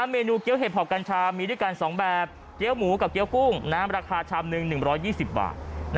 เมนูเกี้ยเห็บหอบกัญชามีด้วยกัน๒แบบเกี้ยวหมูกับเกี้ยวกุ้งน้ำราคาชามหนึ่ง๑๒๐บาท